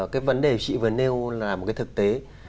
cái vấn đề chị vừa nêu là một cái thực tế